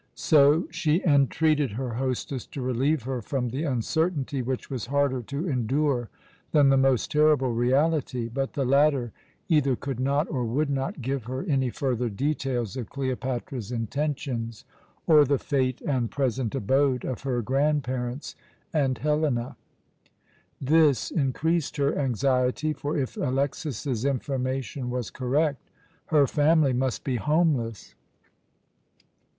So she entreated her hostess to relieve her from the uncertainty which was harder to endure than the most terrible reality; but the latter either could not or would not give her any further details of Cleopatra's intentions, or the fate and present abode of her grandparents and Helena. This increased her anxiety, for if Alexas's information was correct, her family must be homeless.